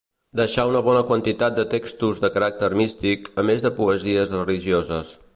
Deixà una bona quantitat de textos de caràcter místic, a més de poesies religioses.